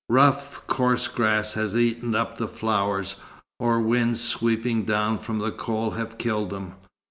Rough, coarse grass has eaten up the flowers, or winds sweeping down from the Col have killed them.